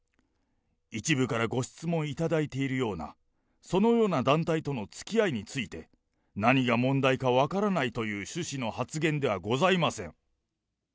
一部からご質問頂いているような、そのような団体とのつきあいについて、何が問題か分からないという趣旨の発言ではございません。